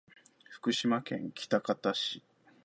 福島県喜多方市